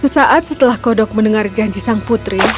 sesaat setelah kodok mendengar janji sang putri